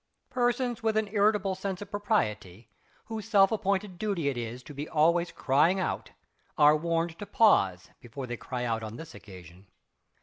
Persons with an irritable sense of propriety, whose self appointed duty it is to be always crying out, are warned to pause before they cry out on this occasion.